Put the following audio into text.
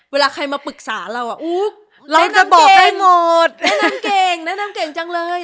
เวลาใครมาปรึกษาเราอุ๊บแนะนำเก่งแนะนำเก่งจังเลย